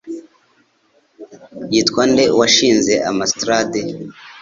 yitwa nde uwashinze Amstrad?